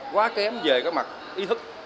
quá kém về cái mặt ý thức